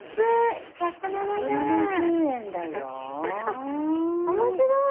あっ面白い！